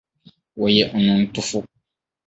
Wɔyɛ nnwontofo.